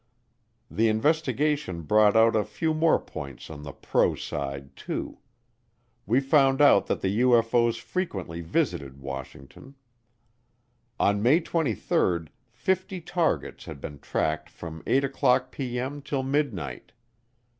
The investigation brought out a few more points on the pro side too. We found out that the UFO's frequently visited Washington. On May 23 fifty targets had been tracked from 8:00 p.m. till midnight.